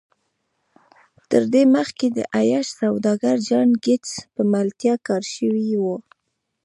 تر دې مخکې د عياش سوداګر جان ګيټس په ملتيا کار شوی و.